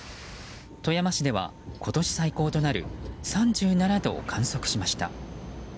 富山市では今年最高となる３７度を観測しました。